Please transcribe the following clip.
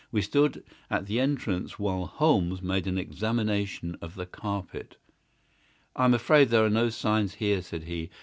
We stood at the entrance while Holmes made an examination of the carpet. "I am afraid there are no signs here," said he.